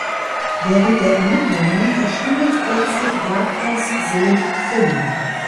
Während der Ermittlungen verschwindet plötzlich Wagners Sohn Finn.